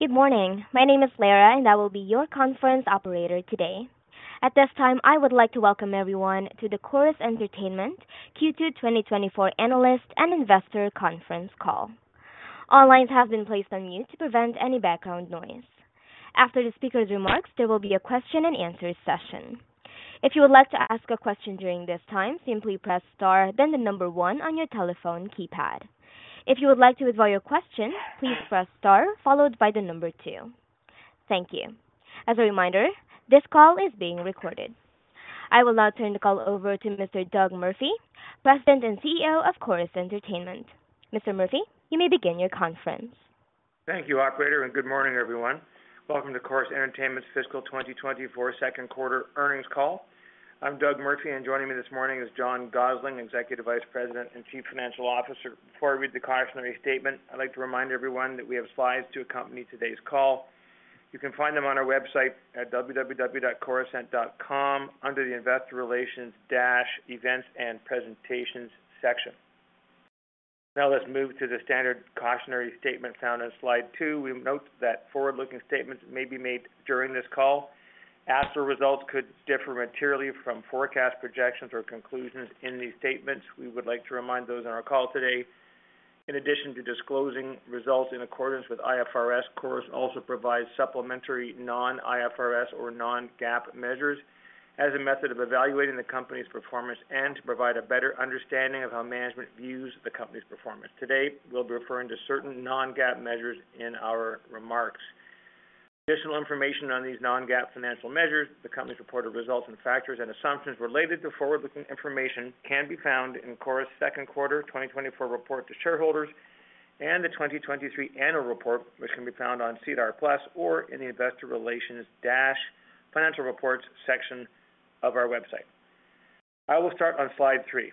Good morning. My name is Lara, and I will be your conference operator today. At this time, I would like to welcome everyone to the Corus Entertainment Q2 2024 Analyst and Investor Conference call. All lines have been placed on mute to prevent any background noise. After the speaker's remarks, there will be a question-and-answer session. If you would like to ask a question during this time, simply press star then the number one on your telephone keypad. If you would like to withdraw your question, please press star followed by the number two. Thank you. As a reminder, this call is being recorded. I will now turn the call over to Mr. Doug Murphy, President and CEO of Corus Entertainment. Mr. Murphy, you may begin your conference. Thank you, Operator, and good morning, everyone. Welcome to Corus Entertainment's fiscal 2024 second quarter earnings call. I'm Doug Murphy, and joining me this morning is John Gossling, Executive Vice President and Chief Financial Officer. Before I read the cautionary statement, I'd like to remind everyone that we have slides to accompany today's call. You can find them on our website at www.corusent.com under the Investor Relations-Events and Presentations section. Now let's move to the standard cautionary statement found on slide two. We note that forward-looking statements may be made during this call. Actual results could differ materially from forecast projections or conclusions in these statements. We would like to remind those on our call today. In addition to disclosing results in accordance with IFRS, Corus also provides supplementary non-IFRS or non-GAAP measures as a method of evaluating the company's performance and to provide a better understanding of how management views the company's performance. Today, we'll be referring to certain non-GAAP measures in our remarks. Additional information on these non-GAAP financial measures, the company's reported results, and factors and assumptions related to forward-looking information can be found in Corus' second quarter 2024 report to shareholders and the 2023 annual report, which can be found on SEDAR+ or in the Investor Relations-Financial Reports section of our website. I will start on slide three.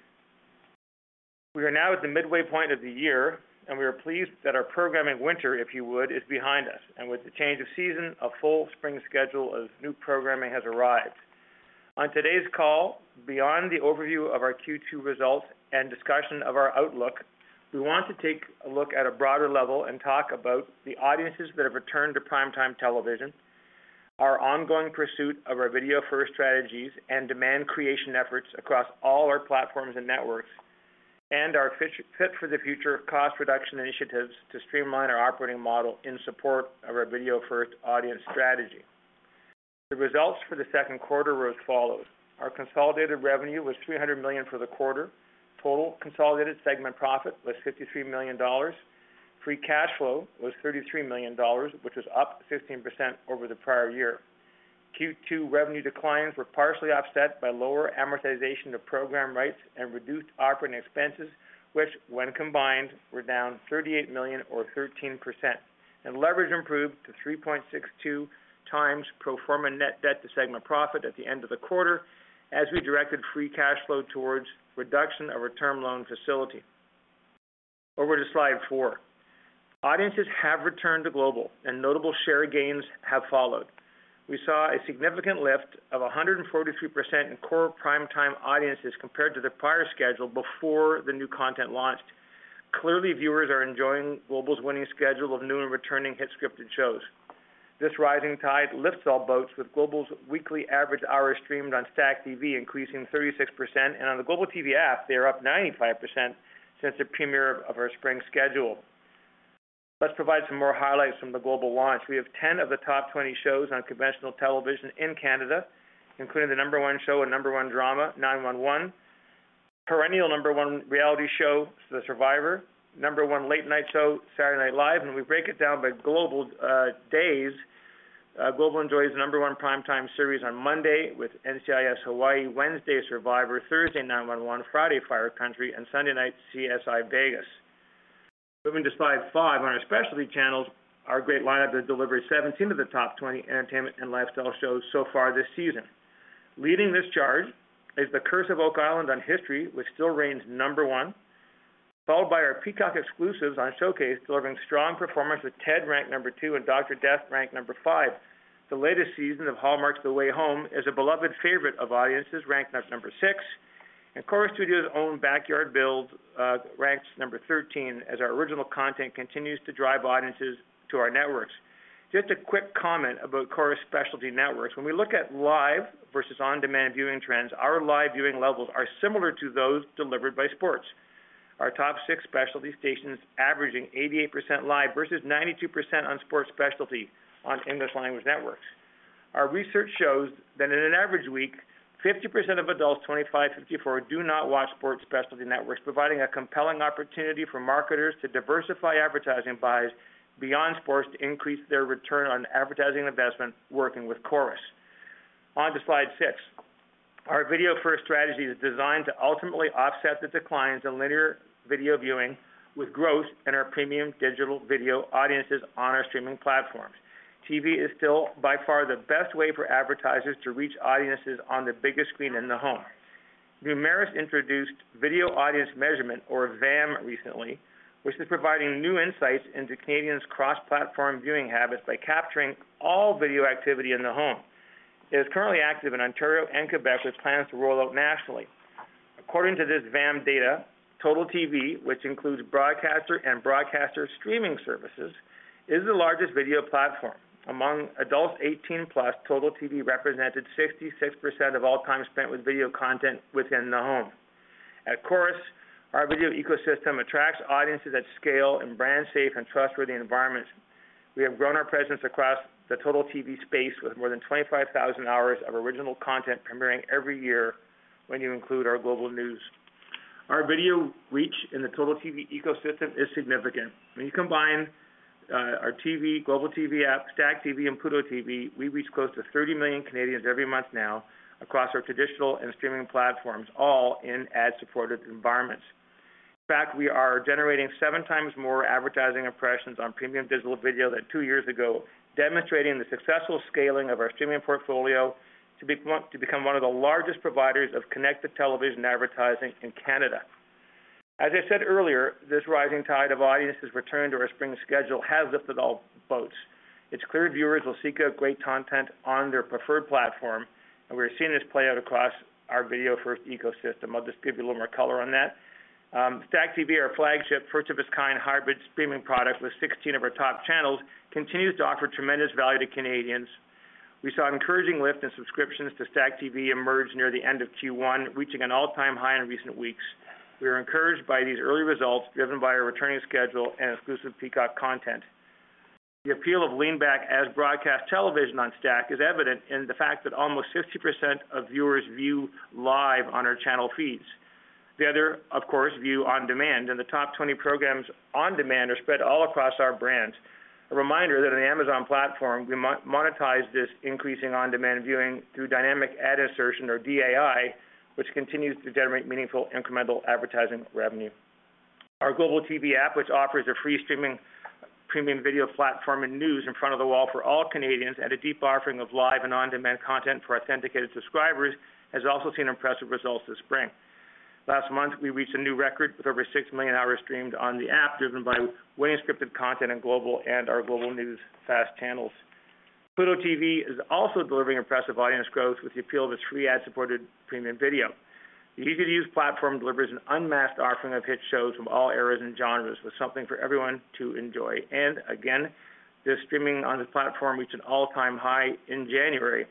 We are now at the midway point of the year, and we are pleased that our programming winter, if you would, is behind us. With the change of season, a full spring schedule of new programming has arrived. On today's call, beyond the overview of our Q2 results and discussion of our outlook, we want to take a look at a broader level and talk about the audiences that have returned to primetime television, our ongoing pursuit of our video-first strategies and demand creation efforts across all our platforms and networks, and our fit-for-the-future cost reduction initiatives to streamline our operating model in support of our video-first audience strategy. The results for the second quarter were as follows. Our consolidated revenue was 300 million for the quarter. Total consolidated segment profit was 53 million dollars. Free cash flow was 33 million dollars, which was up 16% over the prior year. Q2 revenue declines were partially offset by lower amortization of program rights and reduced operating expenses, which, when combined, were down 38 million or 13%. Leverage improved to 3.62 times Pro Forma Net Debt to segment profit at the end of the quarter as we directed Free Cash Flow towards reduction of a term loan facility. Over to slide four. Audiences have returned to Global, and notable share gains have followed. We saw a significant lift of 143% in core primetime audiences compared to the prior schedule before the new content launched. Clearly, viewers are enjoying Global's winning schedule of new and returning hit-scripted shows. This rising tide lifts all boats, with Global's weekly average hours streamed on STACKTV increasing 36%, and on the Global TV App, they are up 95% since the premiere of our spring schedule. Let's provide some more highlights from the Global launch. We have 10 of the top 20 shows on conventional television in Canada, including the number one show and number one drama, 9-1-1, perennial number one reality show, Survivor, number one late-night show, Saturday Night Live. We break it down by Global days. Global enjoys the number one primetime series on Monday with NCIS: Hawai'i, Wednesday Survivor, Thursday 9-1-1, Friday Fire Country, and Sunday night CSI: Vegas. Moving to slide five. On our specialty channels, our great lineup delivers 17 of the top 20 entertainment and lifestyle shows so far this season. Leading this charge is The Curse of Oak Island on History, which still reigns number one, followed by our Peacock Exclusives on Showcase, delivering strong performance with Ted ranked number two and Dr. Death ranked number five. The latest season of Hallmark's The Way Home is a beloved favorite of audiences, ranked number six. Corus Studios' own Backyard Builds ranks 13 as our original content continues to drive audiences to our networks. Just a quick comment about Corus specialty networks. When we look at live versus on-demand viewing trends, our live viewing levels are similar to those delivered by sports. Our top six specialty stations averaging 88% live versus 92% on sports specialty on English-language networks. Our research shows that in an average week, 50% of adults 25-54 do not watch sports specialty networks, providing a compelling opportunity for marketers to diversify advertising buys beyond sports to increase their return on advertising investment working with Corus. On to slide six. Our video-first strategy is designed to ultimately offset the declines in linear video viewing with growth in our premium digital video audiences on our streaming platforms. TV is still by far the best way for advertisers to reach audiences on the biggest screen in the home. Numeris introduced video audience measurement, or VAM, recently, which is providing new insights into Canadians' cross-platform viewing habits by capturing all video activity in the home. It is currently active in Ontario and Quebec with plans to roll out nationally. According to this VAM data, Total TV, which includes broadcaster and broadcaster streaming services, is the largest video platform. Among adults 18-plus, Total TV represented 66% of all time spent with video content within the home. At Corus, our video ecosystem attracts audiences at scale in brand-safe and trustworthy environments. We have grown our presence across the Total TV space with more than 25,000 hours of original content premiering every year when you include our Global News. Our video reach in the Total TV ecosystem is significant. When you combine our TV, Global TV App, STACKTV, and Pluto TV, we reach close to 30 million Canadians every month now across our traditional and streaming platforms, all in ad-supported environments. In fact, we are generating seven times more advertising impressions on premium digital video than two years ago, demonstrating the successful scaling of our streaming portfolio to become one of the largest providers of connected television advertising in Canada. As I said earlier, this rising tide of audiences returned to our spring schedule has lifted all boats. It's clear viewers will seek out great content on their preferred platform, and we're seeing this play out across our video-first ecosystem. I'll just give you a little more color on that. STACKTV, our flagship, first-of-its-kind hybrid streaming product with 16 of our top channels, continues to offer tremendous value to Canadians. We saw an encouraging lift in subscriptions to STACKTV emerge near the end of Q1, reaching an all-time high in recent weeks. We are encouraged by these early results driven by our returning schedule and exclusive Peacock content. The appeal of leaning back as broadcast television on STACKTV is evident in the fact that almost 50% of viewers view live on our channel feeds. The other, of course, view on demand, and the top 20 programs on demand are spread all across our brands. A reminder that on the Amazon platform, we monetize this increasing on-demand viewing through dynamic ad insertion, or DAI, which continues to generate meaningful incremental advertising revenue. Our Global TV App, which offers a free streaming premium video platform and news in front of the wall for all Canadians and a deep offering of live and on-demand content for authenticated subscribers, has also seen impressive results this spring. Last month, we reached a new record with over 6 million hours streamed on the app, driven by winning scripted content on Global and our Global News FAST channels. Pluto TV is also delivering impressive audience growth with the appeal of its free ad-supported premium video. The easy-to-use platform delivers an unmatched offering of hit shows from all eras and genres, with something for everyone to enjoy. And again, this streaming on this platform reached an all-time high in January.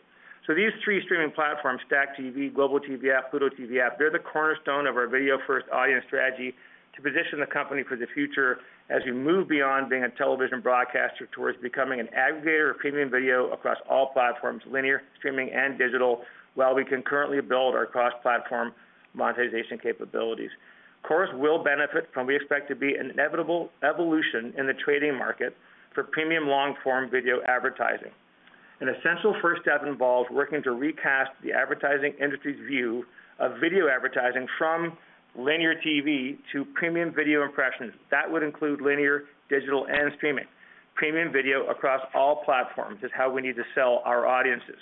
So these three streaming platforms, STACKTV, Global TV App, Pluto TV app, they're the cornerstone of our video-first audience strategy to position the company for the future as we move beyond being a television broadcaster towards becoming an aggregator of premium video across all platforms, linear streaming and digital, while we concurrently build our cross-platform monetization capabilities. Corus will benefit from what we expect to be an inevitable evolution in the trading market for premium long-form video advertising. An essential first step involves working to recast the advertising industry's view of video advertising from linear TV to premium video impressions. That would include linear, digital, and streaming. Premium video across all platforms is how we need to sell our audiences.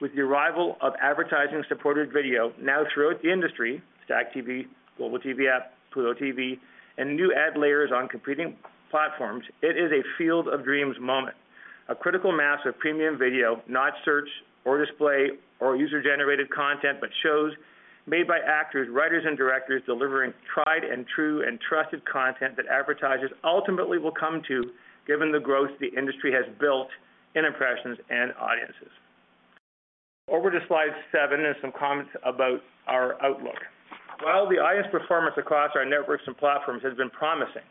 With the arrival of advertising-supported video, now throughout the industry, STACKTV, Global TV App, Pluto TV, and new ad layers on competing platforms, it is a field-of-dreams moment. A critical mass of premium video, not search or display or user-generated content, but shows made by actors, writers, and directors delivering tried and true and trusted content that advertisers ultimately will come to given the growth the industry has built in impressions and audiences. Over to slide seven and some comments about our outlook. While the audience performance across our networks and platforms has been promising,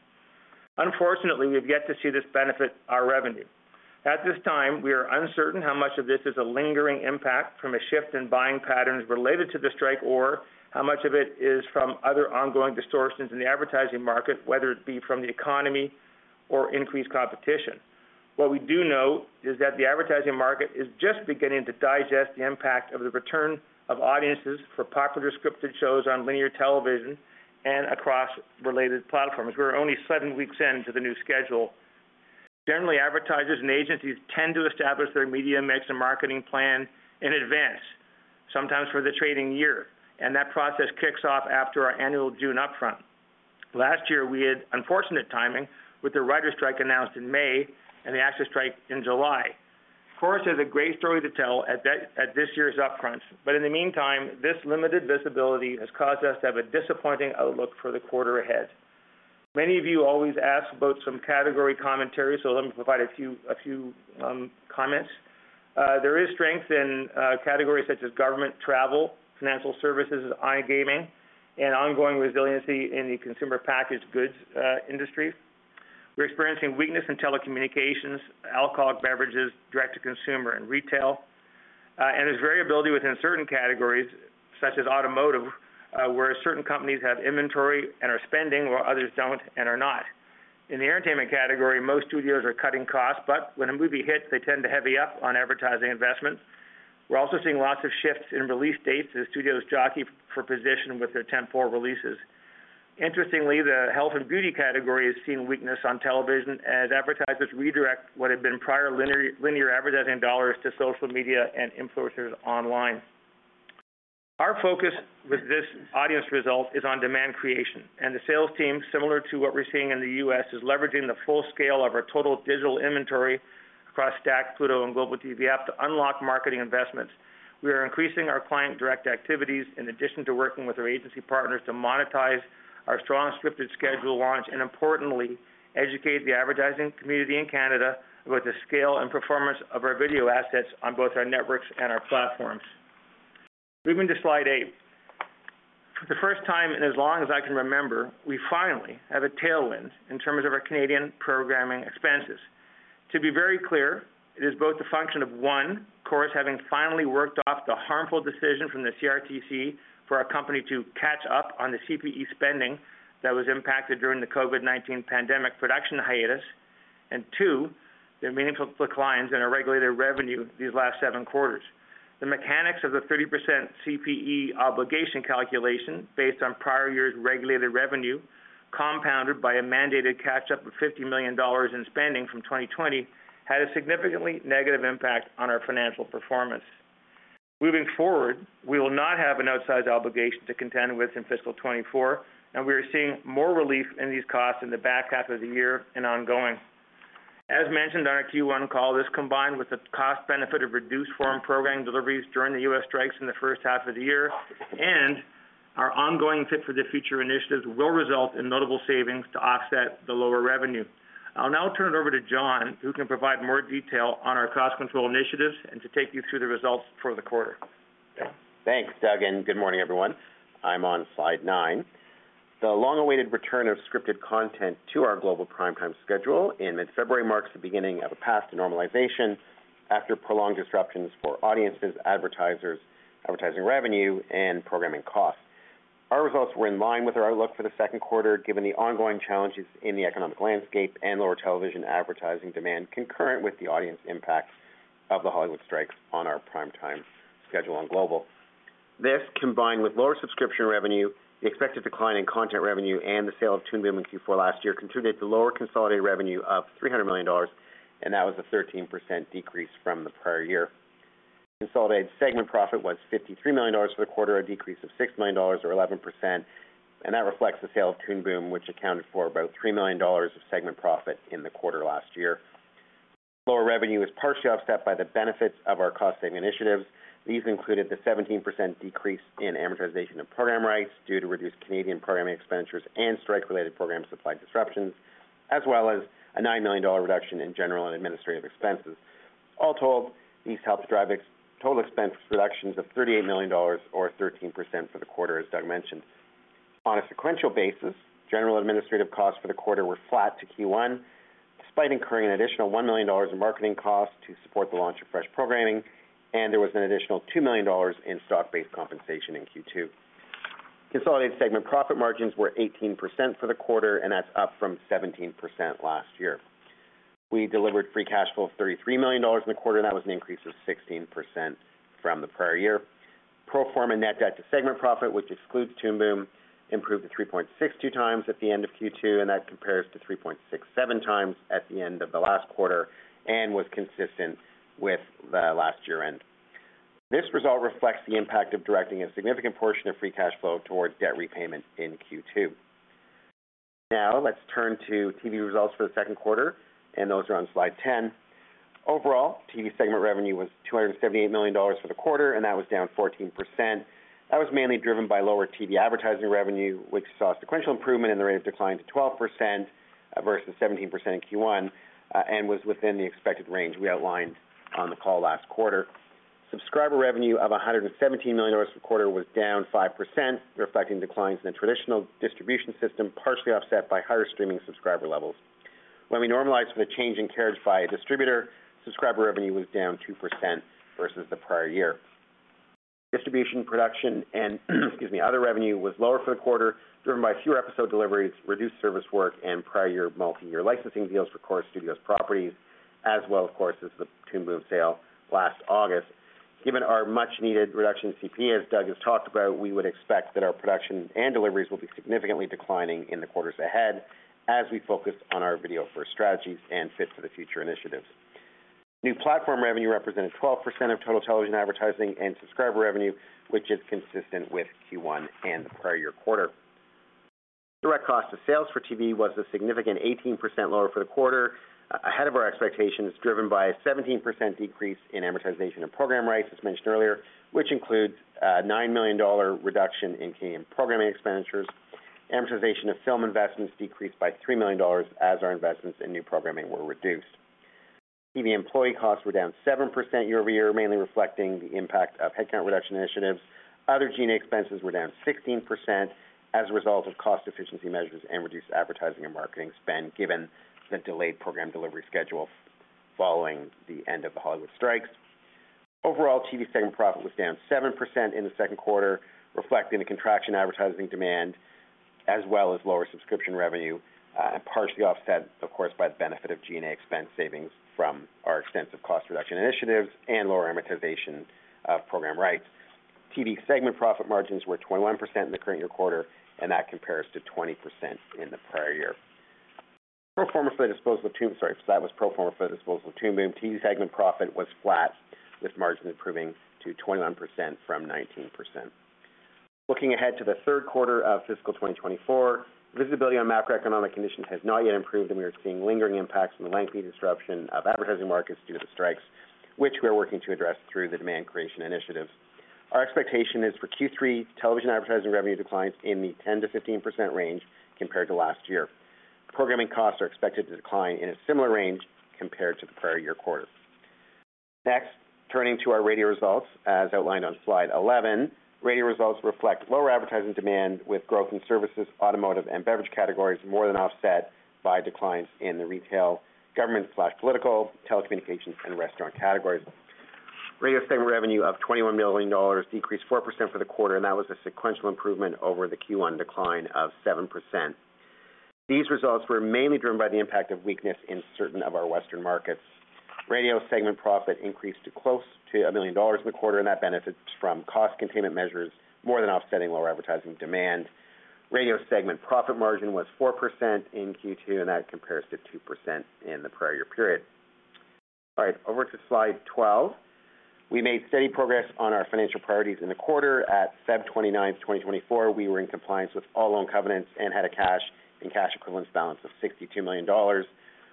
unfortunately, we've yet to see this benefit our revenue. At this time, we are uncertain how much of this is a lingering impact from a shift in buying patterns related to the strike or how much of it is from other ongoing distortions in the advertising market, whether it be from the economy or increased competition. What we do know is that the advertising market is just beginning to digest the impact of the return of audiences for popular scripted shows on linear television and across related platforms. We're only seven weeks into the new schedule. Generally, advertisers and agencies tend to establish their media mix and marketing plan in advance, sometimes for the trading year. And that process kicks off after our annual June upfront. Last year, we had unfortunate timing with the writer's strike announced in May and the actors' strike in July. Corus has a great story to tell at this year's upfront. But in the meantime, this limited visibility has caused us to have a disappointing outlook for the quarter ahead. Many of you always ask about some category commentaries, so let me provide a few comments. There is strength in categories such as government, travel, financial services, iGaming, and ongoing resiliency in the consumer packaged goods industry. We're experiencing weakness in telecommunications, alcoholic beverages direct to consumer, and retail. There's variability within certain categories such as automotive, where certain companies have inventory and are spending while others don't and are not. In the entertainment category, most studios are cutting costs, but when a movie hits, they tend to heavy up on advertising investments. We're also seeing lots of shifts in release dates as studios jockey for position with their Temp four releases. Interestingly, the health and beauty category is seeing weakness on television as advertisers redirect what had been prior linear advertising dollars to social media and influencers online. Our focus with this audience result is on demand creation. The sales team, similar to what we're seeing in the U.S., is leveraging the full scale of our total digital inventory across STACKTV, Pluto TV, and Global TV App to unlock marketing investments. We are increasing our client-direct activities in addition to working with our agency partners to monetize our strong scripted schedule launch and, importantly, educate the advertising community in Canada about the scale and performance of our video assets on both our networks and our platforms. Moving to slide eight. For the first time in as long as I can remember, we finally have a tailwind in terms of our Canadian programming expenses. To be very clear, it is both a function of, one, Corus having finally worked off the harmful decision from the CRTC for our company to catch up on the CPE spending that was impacted during the COVID-19 pandemic production hiatus, and two, their meaningful declines in our regulated revenue these last seven quarters. The mechanics of the 30% CPE obligation calculation based on prior year's regulated revenue, compounded by a mandated catch-up of 50 million dollars in spending from 2020, had a significantly negative impact on our financial performance. Moving forward, we will not have an outsized obligation to contend with in fiscal 2024, and we are seeing more relief in these costs in the back half of the year and ongoing. As mentioned on our Q1 call, this combined with the cost-benefit of reduced-form programming deliveries during the U.S. strikes in the first half of the year and our ongoing Fit for the Future initiatives will result in notable savings to offset the lower revenue. I'll now turn it over to John, who can provide more detail on our cost control initiatives and to take you through the results for the quarter. Thanks, Doug, and good morning, everyone. I'm on slide nine. The long-awaited return of scripted content to our Global primetime schedule in mid-February marks the beginning of a path to normalization after prolonged disruptions for audiences, advertisers, advertising revenue, and programming costs. Our results were in line with our outlook for the second quarter given the ongoing challenges in the economic landscape and lower television advertising demand concurrent with the audience impact of the Hollywood strikes on our primetime schedule on Global. This, combined with lower subscription revenue, the expected decline in content revenue, and the sale of Toon Boom in Q4 last year contributed to lower consolidated revenue of 300 million dollars, and that was a 13% decrease from the prior year. Consolidated segment profit was 53 million dollars for the quarter, a decrease of 6 million dollars or 11%, and that reflects the sale of Toon Boom, which accounted for about 3 million dollars of segment profit in the quarter last year. Lower revenue is partially offset by the benefits of our cost-saving initiatives. These included the 17% decrease in amortization of program rights due to reduced Canadian programming expenditures and strike-related program supply disruptions, as well as a 9 million dollar reduction in general and administrative expenses. All told, these helped drive total expense reductions of 38 million dollars or 13% for the quarter, as Doug mentioned. On a sequential basis, general administrative costs for the quarter were flat to Q1 despite incurring an additional 1 million dollars in marketing costs to support the launch of fresh programming, and there was an additional 2 million dollars in stock-based compensation in Q2. Consolidated segment profit margins were 18% for the quarter, and that's up from 17% last year. We delivered free cash flow of 33 million dollars in the quarter, and that was an increase of 16% from the prior year. Pro forma net debt to segment profit, which excludes Toon Boom, improved to 3.62 times at the end of Q2, and that compares to 3.67 times at the end of the last quarter and was consistent with the last year-end. This result reflects the impact of directing a significant portion of free cash flow towards debt repayment in Q2. Now, let's turn to TV results for the second quarter, and those are on slide 10. Overall, TV segment revenue was 278 million dollars for the quarter, and that was down 14%. That was mainly driven by lower TV advertising revenue, which saw sequential improvement in the rate of decline to 12% versus 17% in Q1 and was within the expected range we outlined on the call last quarter. Subscriber revenue of 117 million dollars per quarter was down 5%, reflecting declines in the traditional distribution system, partially offset by higher streaming subscriber levels. When we normalized for the change in carriage by a distributor, subscriber revenue was down 2% versus the prior year. Distribution, production, and other revenue was lower for the quarter, driven by fewer episode deliveries, reduced service work, and prior year multi-year licensing deals for Corus Studios properties, as well, of course, as the Toon Boom sale last August. Given our much-needed reduction in CPE, as Doug has talked about, we would expect that our production and deliveries will be significantly declining in the quarters ahead as we focus on our video-first strategies and Fit for the Future initiatives. New platform revenue represented 12% of total television advertising and subscriber revenue, which is consistent with Q1 and the prior year quarter. Direct cost of sales for TV was a significant 18% lower for the quarter ahead of our expectations, driven by a 17% decrease in amortization of program rights, as mentioned earlier, which includes a 9 million dollar reduction in Canadian programming expenditures. Amortization of film investments decreased by 3 million dollars as our investments in new programming were reduced. TV employee costs were down 7% year-over-year, mainly reflecting the impact of headcount reduction initiatives. Other G&A expenses were down 16% as a result of cost efficiency measures and reduced advertising and marketing spend given the delayed program delivery schedule following the end of the Hollywood strikes. Overall, TV segment profit was down 7% in the second quarter, reflecting the contraction advertising demand as well as lower subscription revenue and partially offset, of course, by the benefit of G&A expense savings from our extensive cost reduction initiatives and lower amortization of program rights. TV segment profit margins were 21% in the current year quarter, and that compares to 20% in the prior year. Pro forma for the disposal of Toon Boom sorry, so that was pro forma for the disposal of Toon Boom. TV segment profit was flat, with margins improving to 21% from 19%. Looking ahead to the third quarter of fiscal 2024, visibility on macroeconomic conditions has not yet improved, and we are seeing lingering impacts from the lengthy disruption of advertising markets due to the strikes, which we are working to address through the demand creation initiatives. Our expectation is for Q3 television advertising revenue declines in the 10%-15% range compared to last year. Programming costs are expected to decline in a similar range compared to the prior year quarter. Next, turning to our radio results, as outlined on slide 11, radio results reflect lower advertising demand with growth in services, automotive, and beverage categories more than offset by declines in the retail, government/political, telecommunications, and restaurant categories. Radio segment revenue of 21 million dollars decreased 4% for the quarter, and that was a sequential improvement over the Q1 decline of 7%. These results were mainly driven by the impact of weakness in certain of our Western markets. Radio segment profit increased to close to 1 million dollars in the quarter, and that benefits from cost containment measures more than offsetting lower advertising demand. Radio segment profit margin was 4% in Q2, and that compares to 2% in the prior year period. All right, over to slide 12. We made steady progress on our financial priorities in the quarter. At February 29, 2024, we were in compliance with all loan covenants and had a cash and cash equivalents balance of 62 million dollars,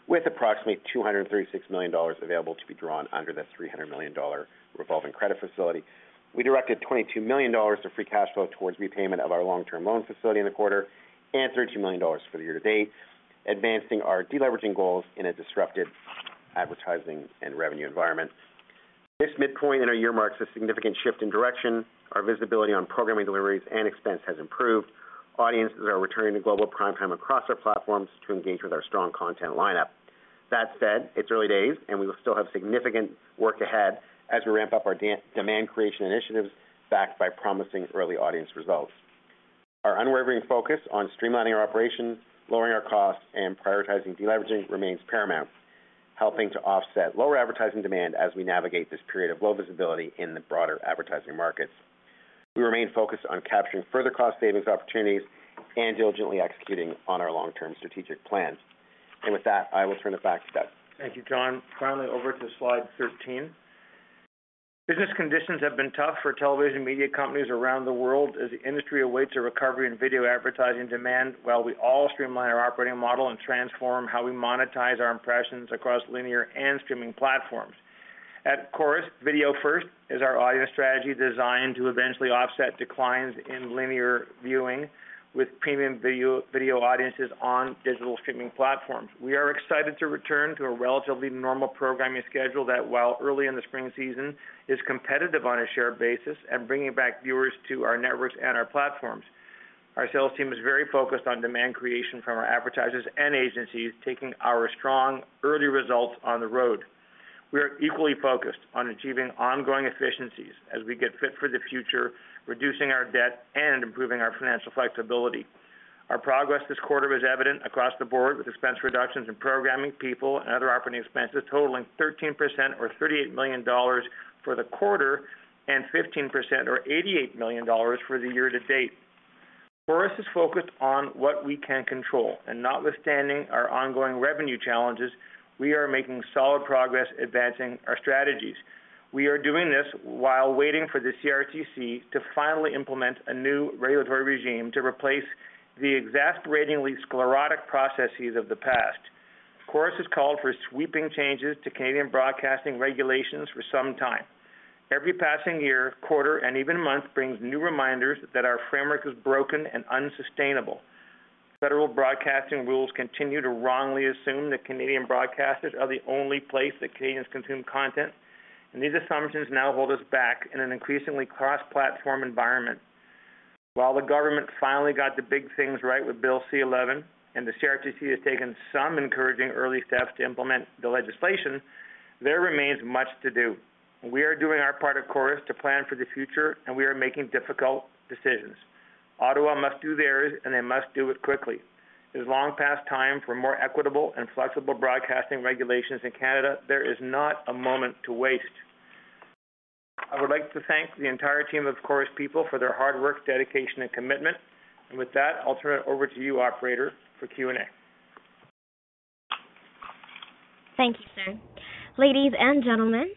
with approximately 236 million dollars available to be drawn under the 300 million dollar revolving credit facility. We directed 22 million dollars of free cash flow towards repayment of our long-term loan facility in the quarter and 32 million dollars for the year to date, advancing our deleveraging goals in a disrupted advertising and revenue environment. This midpoint in our year marks a significant shift in direction. Our visibility on programming deliveries and expense has improved. Audiences are returning to Global primetime across our platforms to engage with our strong content lineup. That said, it's early days, and we will still have significant work ahead as we ramp up our demand creation initiatives backed by promising early audience results. Our unwavering focus on streamlining our operations, lowering our costs, and prioritizing deleveraging remains paramount, helping to offset lower advertising demand as we navigate this period of low visibility in the broader advertising markets. We remain focused on capturing further cost savings opportunities and diligently executing on our long-term strategic plans. And with that, I will turn it back to Doug. Thank you, John. Finally, over to slide 13. Business conditions have been tough for television media companies around the world as the industry awaits a recovery in video advertising demand while we all streamline our operating model and transform how we monetize our impressions across linear and streaming platforms. At Corus, Video First is our audience strategy designed to eventually offset declines in linear viewing with premium video audiences on digital streaming platforms. We are excited to return to a relatively normal programming schedule that, while early in the spring season, is competitive on a shared basis and bringing back viewers to our networks and our platforms. Our sales team is very focused on demand creation from our advertisers and agencies, taking our strong early results on the road. We are equally focused on achieving ongoing efficiencies as we get Fit for the Future, reducing our debt, and improving our financial flexibility. Our progress this quarter is evident across the board, with expense reductions in programming people and other operating expenses totaling 13% or 38 million dollars for the quarter and 15% or 88 million dollars for the year to date. Corus is focused on what we can control, and notwithstanding our ongoing revenue challenges, we are making solid progress advancing our strategies. We are doing this while waiting for the CRTC to finally implement a new regulatory regime to replace the exasperatingly sclerotic processes of the past. Corus has called for sweeping changes to Canadian broadcasting regulations for some time. Every passing year, quarter, and even month brings new reminders that our framework is broken and unsustainable. Federal broadcasting rules continue to wrongly assume that Canadian broadcasters are the only place that Canadians consume content, and these assumptions now hold us back in an increasingly cross-platform environment. While the government finally got the big things right with Bill C-11 and the CRTC has taken some encouraging early steps to implement the legislation, there remains much to do. We are doing our part at Corus to plan for the future, and we are making difficult decisions. Ottawa must do theirs, and they must do it quickly. It is long past time for more equitable and flexible broadcasting regulations in Canada. There is not a moment to waste. I would like to thank the entire team of Corus people for their hard work, dedication, and commitment. And with that, I'll turn it over to you, Operator, for Q&A. Thank you, sir. Ladies and gentlemen,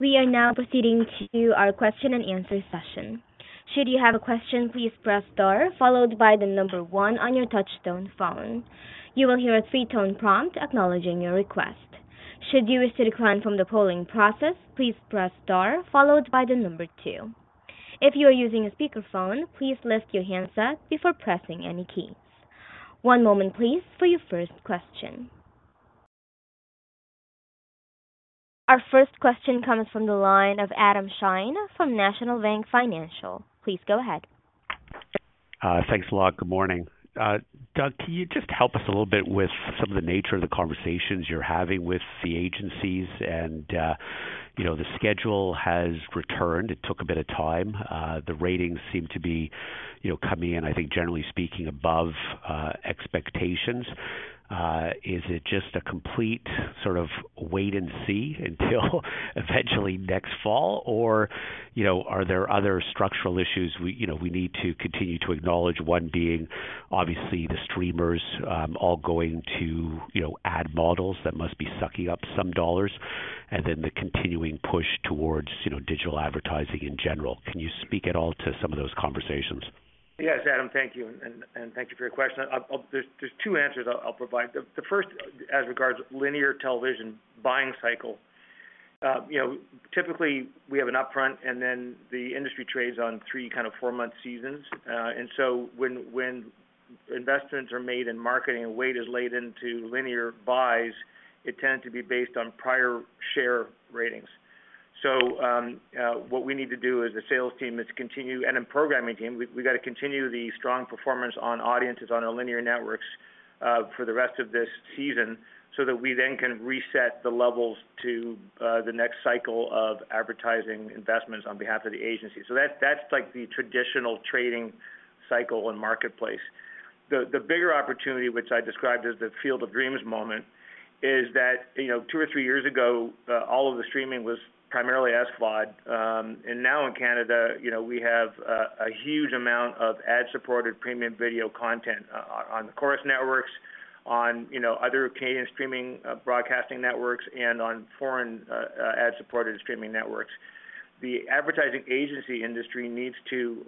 we are now proceeding to our question-and-answer session. Should you have a question, please press star followed by the number one on your touch-tone phone. You will hear a three-tone prompt acknowledging your request. Should you wish to decline from the polling process, please press star followed by the number two. If you are using a speakerphone, please lift your handset before pressing any keys. One moment, please, for your first question. Our first question comes from the line of Adam Shine from National Bank Financial. Please go ahead. Thanks a lot. Good morning. Doug, can you just help us a little bit with some of the nature of the conversations you're having with the agencies? The schedule has returned. It took a bit of time. The ratings seem to be coming in, I think, generally speaking, above expectations. Is it just a complete sort of wait-and-see until eventually next fall, or are there other structural issues we need to continue to acknowledge, one being, obviously, the streamers all going to ad models that must be sucking up some dollars, and then the continuing push towards digital advertising in general? Can you speak at all to some of those conversations? Yes, Adam, thank you. Thank you for your question. There's two answers I'll provide. The first, as regards linear television buying cycle, typically, we have an upfront, and then the industry trades on three kind of four-month seasons. And so when investments are made in marketing and weight is laid into linear buys, it tends to be based on prior share ratings. So what we need to do as the sales team is continue and a programming team, we've got to continue the strong performance on audiences on our linear networks for the rest of this season so that we then can reset the levels to the next cycle of advertising investments on behalf of the agency. So that's the traditional trading cycle in the marketplace. The bigger opportunity, which I described as the Field of Dreams moment, is that two or three years ago, all of the streaming was primarily SVOD. Now in Canada, we have a huge amount of ad-supported premium video content on the Corus networks, on other Canadian streaming broadcasting networks, and on foreign ad-supported streaming networks. The advertising agency industry needs to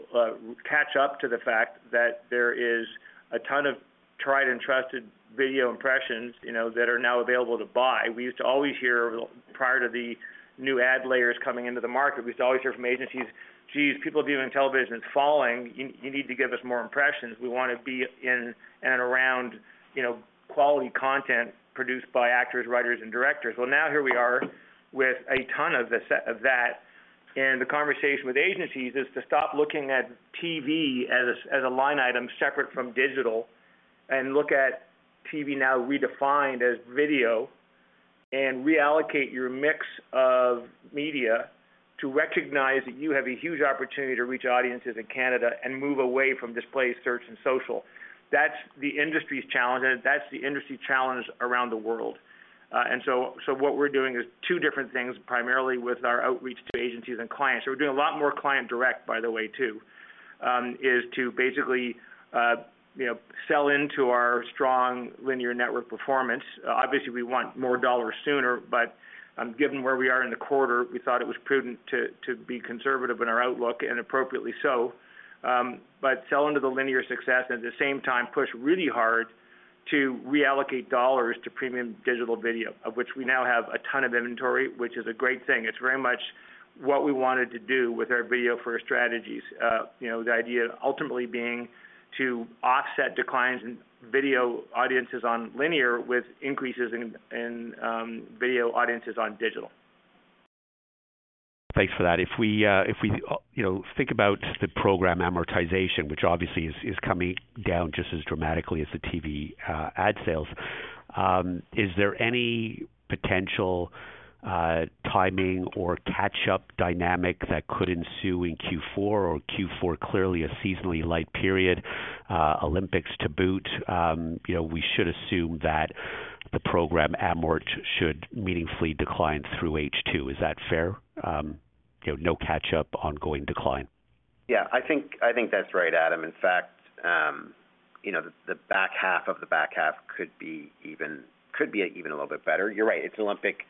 catch up to the fact that there is a ton of tried and trusted video impressions that are now available to buy. We used to always hear prior to the new ad layers coming into the market, we used to always hear from agencies, "Geez, people viewing television is falling. You need to give us more impressions. We want to be in and around quality content produced by actors, writers, and directors." Well, now here we are with a ton of that. The conversation with agencies is to stop looking at TV as a line item separate from digital and look at TV now redefined as video and reallocate your mix of media to recognize that you have a huge opportunity to reach audiences in Canada and move away from display, search, and social. That's the industry's challenge, and that's the industry challenge around the world. So what we're doing is two different things, primarily with our outreach to agencies and clients. So we're doing a lot more client direct, by the way, too, is to basically sell into our strong linear network performance. Obviously, we want more dollars sooner, but given where we are in the quarter, we thought it was prudent to be conservative in our outlook, and appropriately so, but sell into the linear success and at the same time push really hard to reallocate dollars to premium digital video, of which we now have a ton of inventory, which is a great thing. It's very much what we wanted to do with our video first strategies, the idea ultimately being to offset declines in video audiences on linear with increases in video audiences on digital. Thanks for that. If we think about the program amortization, which obviously is coming down just as dramatically as the TV ad sales, is there any potential timing or catch-up dynamic that could ensue in Q4, or Q4 clearly a seasonally light period, Olympics to boot, we should assume that the program amort should meaningfully decline through H2. Is that fair? No catch-up, ongoing decline. Yeah, I think that's right, Adam. In fact, the back half of the back half could be even could be even a little bit better. You're right. It's Olympic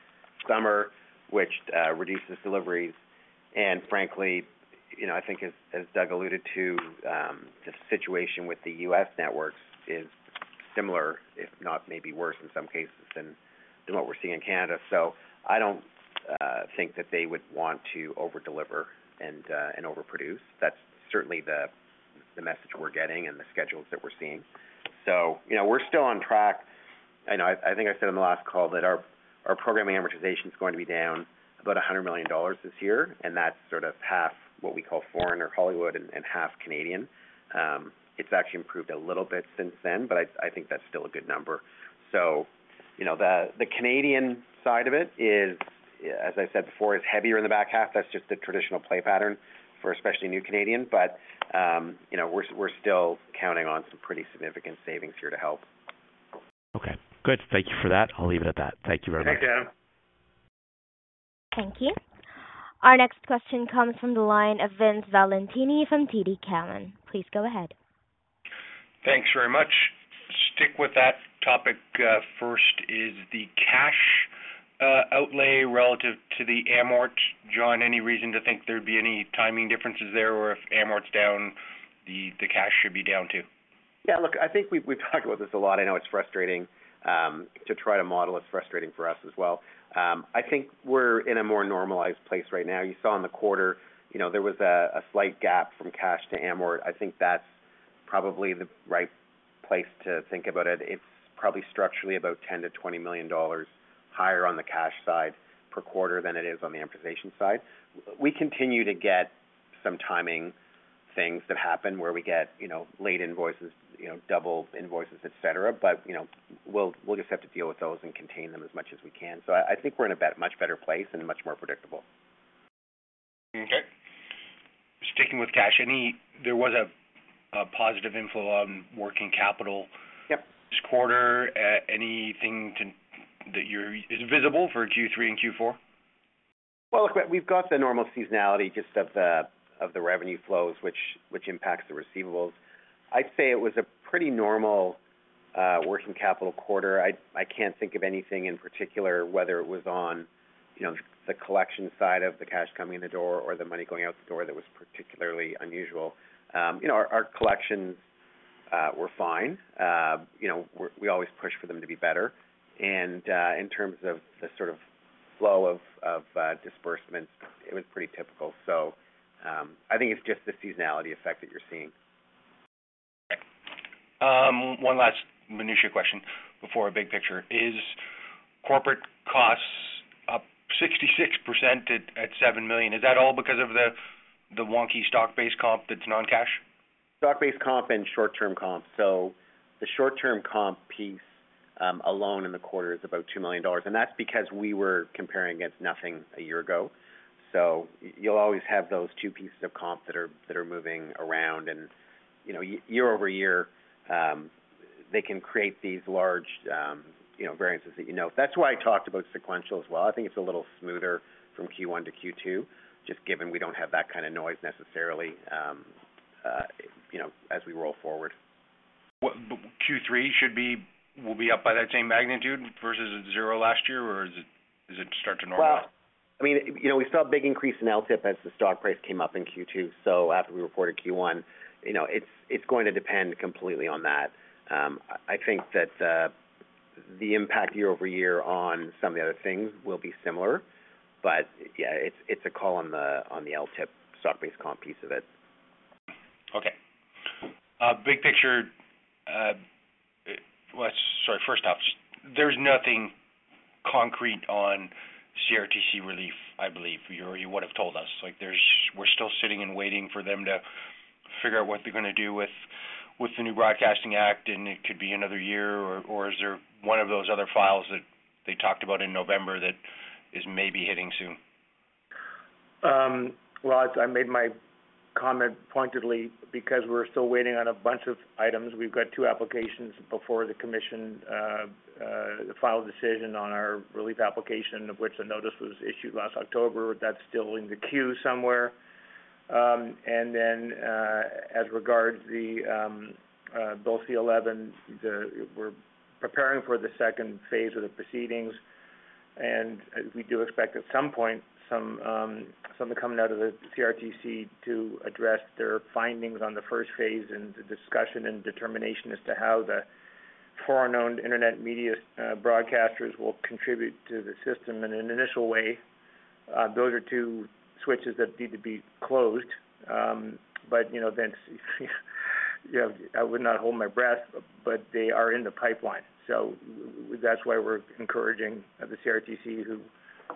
summer, which reduces deliveries. And frankly, I think, as Doug alluded to, the situation with the U.S. networks is similar, if not maybe worse in some cases, than what we're seeing in Canada. So I don't think that they would want to overdeliver and overproduce. That's certainly the message we're getting and the schedules that we're seeing. So we're still on track. I think I said on the last call that our programming amortization is going to be down about 100 million dollars this year, and that's sort of half what we call foreign or Hollywood and half Canadian. It's actually improved a little bit since then, but I think that's still a good number. So the Canadian side of it is, as I said before, is heavier in the back half. That's just the traditional play pattern for especially new Canadian. But we're still counting on some pretty significant savings here to help. Okay. Good. Thank you for that. I'll leave it at that. Thank you very much. Thanks, Adam. Thank you. Our next question comes from the line of Vince Valentini from TD Cowen. Please go ahead. Thanks very much. Stick with that topic. First is the cash outlay relative to the amort. John, any reason to think there'd be any timing differences there, or if amort's down, the cash should be down too? Yeah, look, I think we've talked about this a lot. I know it's frustrating to try to model. It's frustrating for us as well. I think we're in a more normalized place right now. You saw in the quarter, there was a slight gap from cash to amort. I think that's probably the right place to think about it. It's probably structurally about 10 million-20 million dollars higher on the cash side per quarter than it is on the amortization side. We continue to get some timing things that happen where we get late invoices, double invoices, etc., but we'll just have to deal with those and contain them as much as we can. So I think we're in a much better place and much more predictable. Okay. Sticking with cash, there was a positive inflow on working capital this quarter. Anything that is visible for Q3 and Q4? Well, look, we've got the normal seasonality just of the revenue flows, which impacts the receivables. I'd say it was a pretty normal working capital quarter. I can't think of anything in particular whether it was on the collection side of the cash coming in the door or the money going out the door that was particularly unusual. Our collections were fine. We always push for them to be better. And in terms of the sort of flow of disbursements, it was pretty typical. So I think it's just the seasonality effect that you're seeing. Okay. One last minutiae question before a big picture. Is corporate costs up 66% at 7 million? Is that all because of the wonky stock-based comp that's non-cash? Stock-based comp and short-term comp. So the short-term comp piece alone in the quarter is about 2 million dollars. And that's because we were comparing against nothing a year ago. So you'll always have those two pieces of comp that are moving around. And year-over-year, they can create these large variances that you know. That's why I talked about sequential as well. I think it's a little smoother from Q1 to Q2, just given we don't have that kind of noise necessarily as we roll forward. Q3 should be will be up by that same magnitude versus zero last year, or is it start to normalize? Well, I mean, we saw a big increase in LTIP as the stock price came up in Q2. So after we reported Q1, it's going to depend completely on that. I think that the impact year-over-year on some of the other things will be similar. But yeah, it's a call on the LTIP stock-based comp piece of it. Okay. Big picture, sorry, first off, there's nothing concrete on CRTC relief, I believe, or you would have told us. We're still sitting and waiting for them to figure out what they're going to do with the new Broadcasting Act, and it could be another year. Or is there one of those other files that they talked about in November that is maybe hitting soon? Well, I made my comment pointedly because we're still waiting on a bunch of items. We've got two applications before the Commission filed a decision on our relief application, of which a notice was issued last October. That's still in the queue somewhere. And then as regards Bill C-11, we're preparing for the second phase of the proceedings. We do expect at some point something coming out of the CRTC to address their findings on the first phase and the discussion and determination as to how the foreign-owned internet media broadcasters will contribute to the system in an initial way. Those are two switches that need to be closed. But then I would not hold my breath, but they are in the pipeline. So that's why we're encouraging the CRTC, who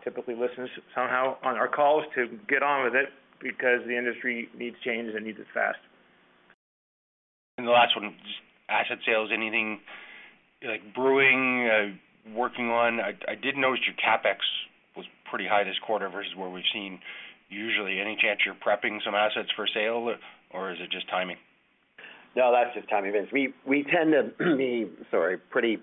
typically listens somehow on our calls, to get on with it because the industry needs change and needs it fast. And the last one, just asset sales, anything brewing, working on? I did notice your CapEx was pretty high this quarter versus where we've seen. Usually, any chance you're prepping some assets for sale, or is it just timing? No, that's just timing, Vince. We tend to be, sorry, pretty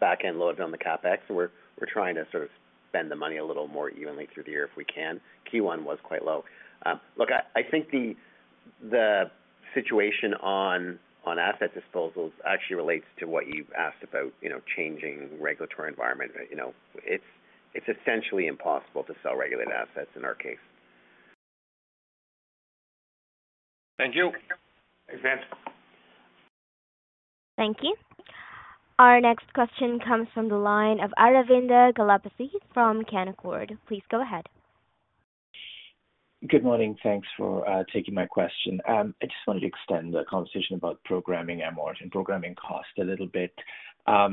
back-end loaded on the CapEx. We're trying to sort of spend the money a little more evenly through the year if we can. Q1 was quite low. Look, I think the situation on asset disposals actually relates to what you asked about changing regulatory environment. It's essentially impossible to sell regulated assets in our case. Thank you. Thanks, Vince. Thank you. Our next question comes from the line of Aravinda Galappatthige from Canaccord. Please go ahead. Good morning. Thanks for taking my question. I just wanted to extend the conversation about programming amort and programming cost a little bit. As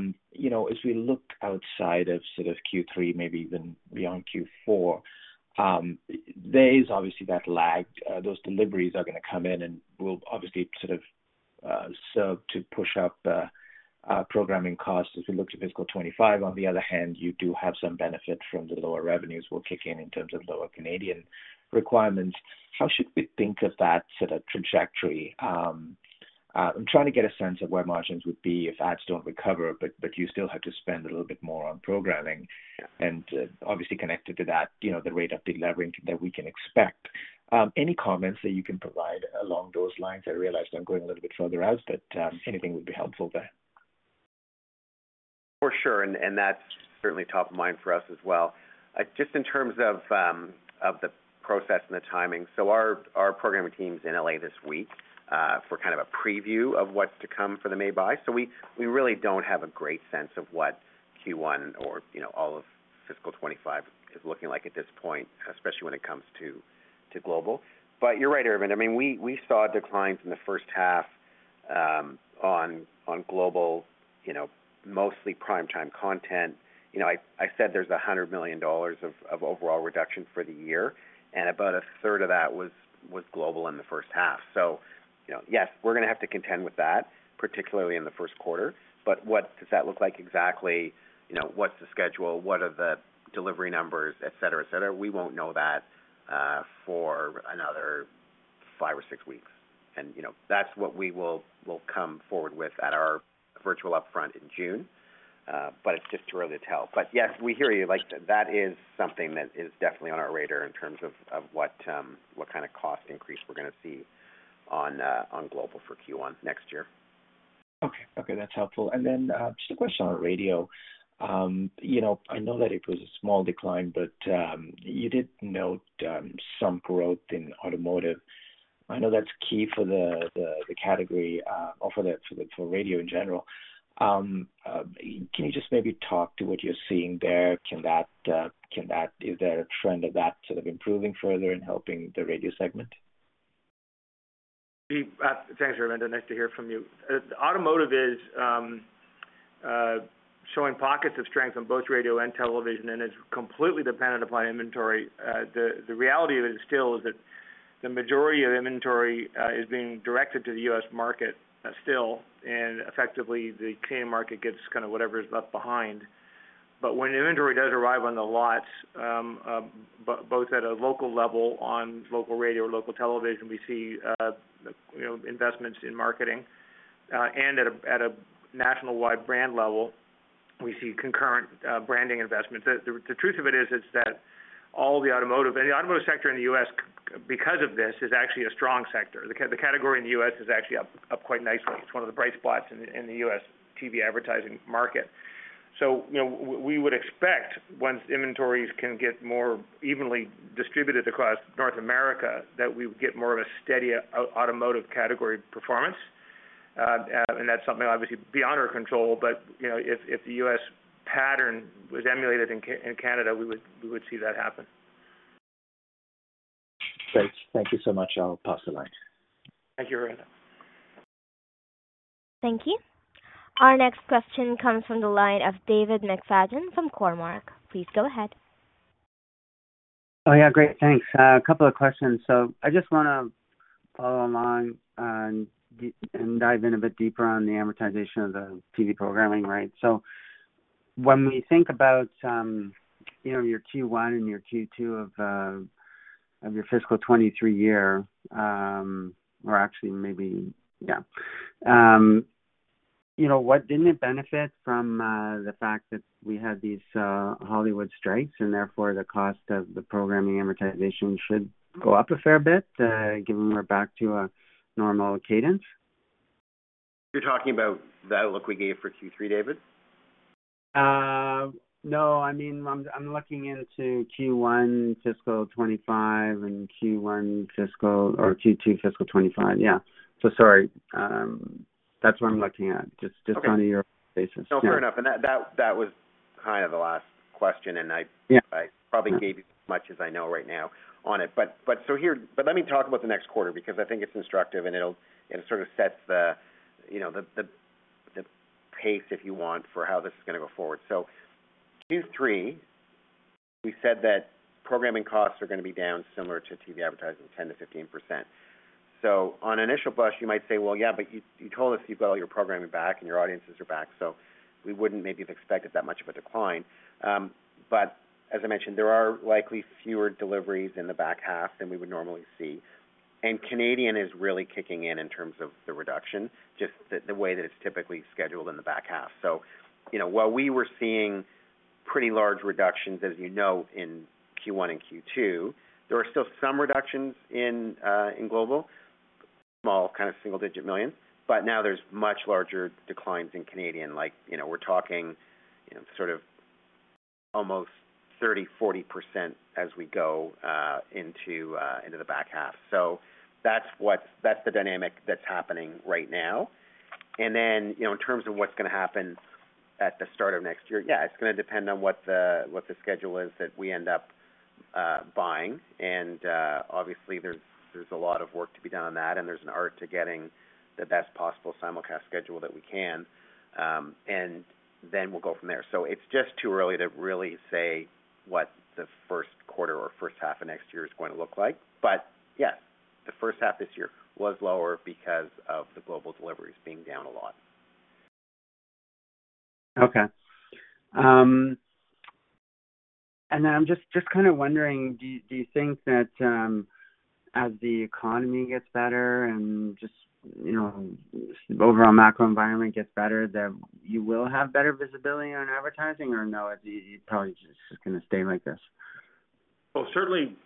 we look outside of sort of Q3, maybe even beyond Q4, there is obviously that lag. Those deliveries are going to come in and will obviously sort of serve to push up programming costs as we look to fiscal 2025. On the other hand, you do have some benefit from the lower revenues will kick in in terms of lower Canadian requirements. How should we think of that sort of trajectory? I'm trying to get a sense of where margins would be if ads don't recover, but you still have to spend a little bit more on programming. And obviously, connected to that, the rate of delivering that we can expect. Any comments that you can provide along those lines? I realized I'm going a little bit further out, but anything would be helpful there. For sure. And that's certainly top of mind for us as well. Just in terms of the process and the timing, so our programming team's in L.A. this week for kind of a preview of what's to come for the May buy. So we really don't have a great sense of what Q1 or all of fiscal 2025 is looking like at this point, especially when it comes to Global. But you're right, Aravinda. I mean, we saw declines in the first half on Global, mostly prime-time content. I said there's 100 million dollars of overall reduction for the year, and about a third of that was Global in the first half. So yes, we're going to have to contend with that, particularly in the first quarter. But does that look like exactly what's the schedule? What are the delivery numbers, etc., etc.? We won't know that for another five or six weeks. And that's what we will come forward with at our virtual upfront in June. But it's just too early to tell. But yes, we hear you. That is something that is definitely on our radar in terms of what kind of cost increase we're going to see on Global for Q1 next year. Okay. Okay. That's helpful. And then just a question on radio. I know that it was a small decline, but you did note some growth in automotive. I know that's key for the category or for radio in general. Can you just maybe talk to what you're seeing there? Is there a trend of that sort of improving further and helping the radio segment? Thanks, Aravinda. Nice to hear from you. Automotive is showing pockets of strength on both radio and television and is completely dependent upon inventory. The reality of it still is that the majority of inventory is being directed to the U.S. market still, and effectively, the Canadian market gets kind of whatever is left behind. But when inventory does arrive on the lots, both at a local level on local radio or local television, we see investments in marketing. And at a nationwide brand level, we see concurrent branding investments. The truth of it is that all the automotive and the automotive sector in the US, because of this, is actually a strong sector. The category in the US is actually up quite nicely. It's one of the bright spots in the US TV advertising market. So we would expect, once inventories can get more evenly distributed across North America, that we would get more of a steadier automotive category performance. And that's something, obviously, beyond our control. But if the US pattern was emulated in Canada, we would see that happen. Great. Thank you so much. I'll pass the line. Thank you, Aravinda. Thank you. Our next question comes from the line of David McFadden from Cormark. Please go ahead. Oh, yeah. Great. Thanks. A couple of questions. So I just want to follow along and dive in a bit deeper on the amortization of the TV programming, right? So when we think about your Q1 and your Q2 of your fiscal 2023 year or actually maybe yeah. What didn't it benefit from the fact that we had these Hollywood strikes, and therefore, the cost of the programming amortization should go up a fair bit given we're back to a normal cadence? You're talking about that look we gave for Q3, David? No. I mean, I'm looking into Q1 fiscal 2025 and Q1 fiscal or Q2 fiscal 2025. Yeah. So sorry. That's what I'm looking at, just on a year-basis. No. Fair enough. And that was kind of the last question, and I probably gave you as much as I know right now on it. But let me talk about the next quarter because I think it's instructive, and it sort of sets the pace, if you want, for how this is going to go forward. So Q3, we said that programming costs are going to be down similar to TV advertising, 10%-15%. So on initial blush, you might say, "Well, yeah, but you told us you've got all your programming back and your audiences are back, so we wouldn't maybe have expected that much of a decline." But as I mentioned, there are likely fewer deliveries in the back half than we would normally see. And Canadian is really kicking in in terms of the reduction, just the way that it's typically scheduled in the back half. So while we were seeing pretty large reductions, as you know, in Q1 and Q2, there are still some reductions in Global, small kind of single-digit millions CAD. But now there's much larger declines in Canadian. We're talking sort of almost 30%-40% as we go into the back half. So that's the dynamic that's happening right now. And then in terms of what's going to happen at the start of next year, yeah, it's going to depend on what the schedule is that we end up buying. And obviously, there's a lot of work to be done on that, and there's an art to getting the best possible simulcast schedule that we can. And then we'll go from there. So it's just too early to really say what the first quarter or first half of next year is going to look like. But yes, the first half this year was lower because of the global deliveries being down a lot. Okay. Then I'm just kind of wondering, do you think that as the economy gets better and just overall macro environment gets better, that you will have better visibility on advertising, or no, you're probably just going to stay like this? Well, certainly,